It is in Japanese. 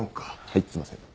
はいすいません。